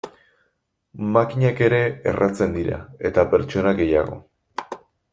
Makinak ere erratzen dira, eta pertsonak gehiago.